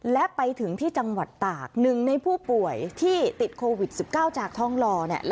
และไปถึงที่จังหวัดตากหนึ่งในผู้ป่วยที่ติดโควิด๑๙จากทองหล่อ